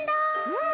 うん。